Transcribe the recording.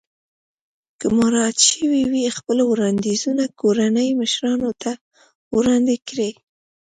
که مراعات شوي وي خپل وړاندیزونه کورنۍ مشرانو ته وړاندې کړئ.